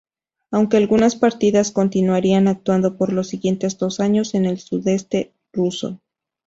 Aunque algunas partidas continuarían actuando por los siguientes dos años en el sudeste ruso.